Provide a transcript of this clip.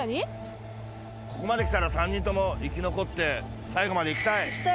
ここまで来たら３人とも生き残って最後まで行きたい。